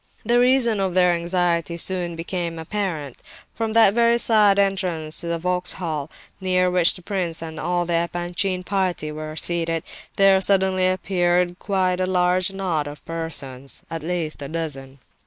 The reason for their anxiety soon became apparent. From that very side entrance to the Vauxhall, near which the prince and all the Epanchin party were seated, there suddenly appeared quite a large knot of persons, at least a dozen.